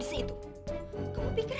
diri jangan dikasyah